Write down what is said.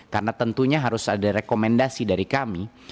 karena tentunya harus ada rekomendasi dari kami